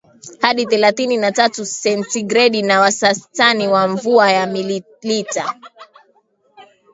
hadi thelathini na tatu sentigredi na wastani wa mvua wa mililita